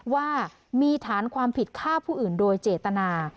ว่ามีฐานความผิดฆ่าผู้อื่นโดยเจตนา